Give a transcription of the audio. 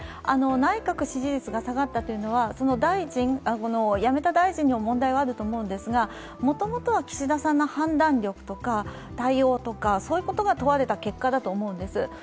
内閣支持率が下がったというのは、辞めた大臣の問題はあると思うんですがもともとは岸田さんの判断力とか対応とか、そういうことが問われた結果だと思うんです。